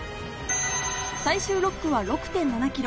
最終６区は６．７ｋｍ。